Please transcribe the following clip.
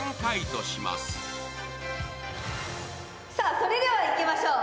それではいきましょう。